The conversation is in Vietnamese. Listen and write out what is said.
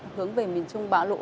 hướng về miền trung bá lũ